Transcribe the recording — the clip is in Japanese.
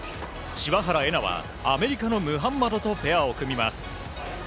柴原瑛菜は、アメリカのムハンマドとペアを組みます。